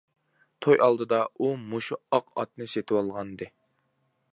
توي ئالدىدا ئۇ مۇشۇ ئاق ئاتنى سېتىۋالغانىدى.